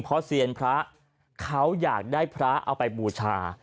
เพราะเซียนพระเขาอยากได้พระเอาไปบูชา